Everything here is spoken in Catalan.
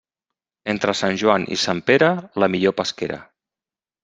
Entre Sant Joan i Sant Pere, la millor pesquera.